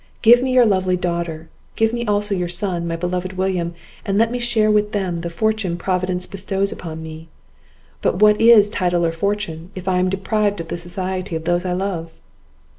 Give me your lovely daughter! give me also your son, my beloved William; and let me share with them the fortune Providence bestows upon me. But what is title or fortune, if I am deprived of the society of those I love?"